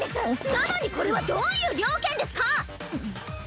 なのにこれはどういう了見ですか⁉んっ。